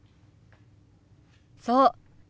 そう。